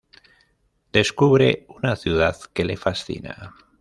Descubre una ciudad que le fascina.